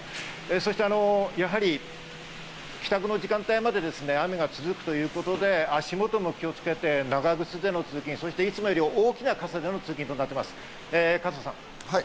そして、やはり帰宅の時間帯まで雨が続くということで、足元も気をつけて長靴での通勤、そしていつもより大きな傘での通勤となっていますね。